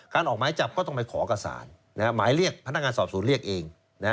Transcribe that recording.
การออกหมายจับก็ต้องไปขอกับสารพนักงานสอบสวนเรียกเอง